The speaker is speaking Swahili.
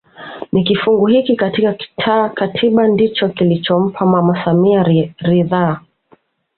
Ni kifungu hiki katika katiba ndicho kilichompa mama samia ridhaa